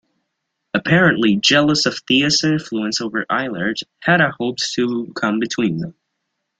Apparently jealous of Thea's influence over Eilert, Hedda hopes to come between them.